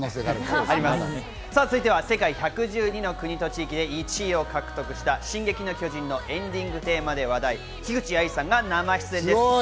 続いては世界１１２の国と地域で１位を獲得した『進撃の巨人』のエンディングテーマで話題、ヒグチアイさんが生出演です。